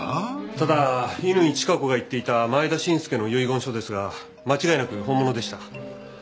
ただ乾チカ子が言っていた前田伸介の遺言書ですが間違いなく本物でした。